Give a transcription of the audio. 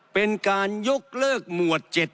เป็นการยกเลิกหมวด๗